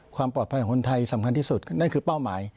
ความปลอดภัยของคนไทยสำคัญที่สุดนั่นคือเป้าหมาย